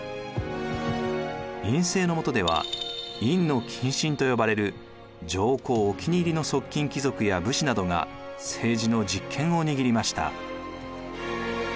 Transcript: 院政のもとでは院近臣と呼ばれる上皇お気に入りの側近貴族や武士などが政治の実権を握りました。